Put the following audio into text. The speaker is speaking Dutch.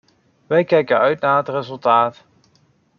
Wij kijken uit naar het resultaat.